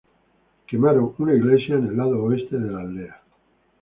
Una iglesia fue quemada en el lado oeste de la aldea.